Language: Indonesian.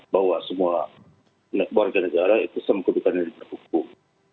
seribu sembilan ratus empat puluh lima bahwa semua warga negara itu semkutukan yang diperhukum